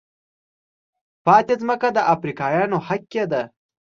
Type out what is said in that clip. پاتې ځمکه د افریقایانو حق کېده.